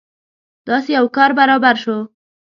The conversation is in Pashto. داسې یو کار برابر شو.